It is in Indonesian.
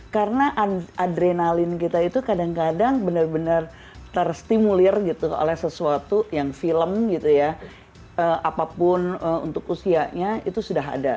karena adrenalin kita itu kadang kadang benar benar terstimulir gitu oleh sesuatu yang film gitu ya apapun untuk usianya itu sudah ada